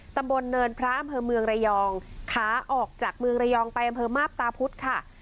ตำบลเนินพระอำเภอเมืองระยองขาออกจากเมืองระยองไปอำเภอมาพตาพุธค่ะ